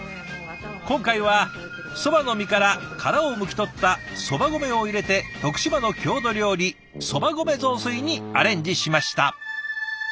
今回はそばの実から殻をむき取ったそば米を入れて徳島の郷土料理そば米雑炊にアレンジしました。